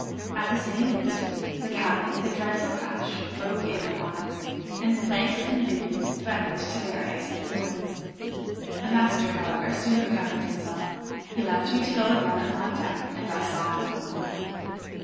At the same instant, the cabin, with a dreadful crash, broke in upon us, and planks and beams threatened to bury us in ruins. The master, however, soon recovered himself; he left me to go again upon deck, and I saw him no more.